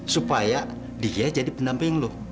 supaya dia jadi pendamping loh